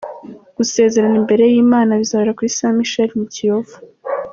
Gusezerana imbere y’Imana bizabera kuri Saint Michel mu Kiyovu.